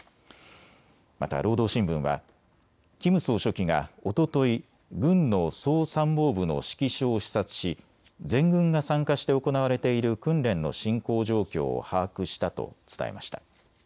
また、労働新聞はキム総書記がおととい軍の総参謀部の指揮所を視察し全軍が参加して行われている訓練の進行状況を把握したと伝えました。